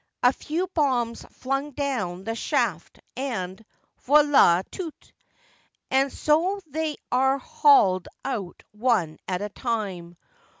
A few bombs flung down the shaft and — voild tout. And so they are hauled out one at a time.